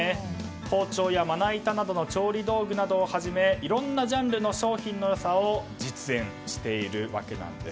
包丁や、まな板などの調理道具をはじめいろいろなジャンルの商品の良さを実演しているわけなんです。